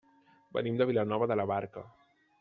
Venim de Vilanova de la Barca.